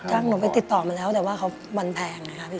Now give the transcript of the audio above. เอ้ยช่างผมไปติดต่อมาแล้วแต่ว่าเขาวันแพงนะครับ